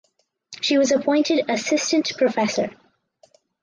She was appointed assistant professor.